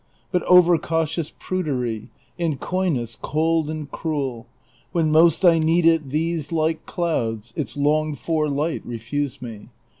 But over cautious prudery. And coyness cold and cruel. When most I need it, these, like clouds, Its longed for light refuse me.